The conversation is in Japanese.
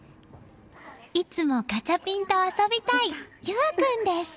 いつもガチャピンと遊びたい倖和君です。